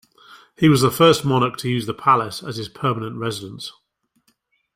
He was the first monarch to use the palace as his permanent residence.